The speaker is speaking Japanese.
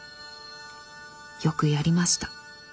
よくやりました。